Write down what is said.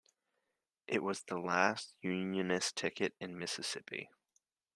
It was the last Unionist ticket in Mississippi.